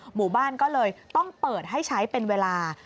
หมู่บ้านก็เลยต้องเปิดให้ใช้เป็นเวลา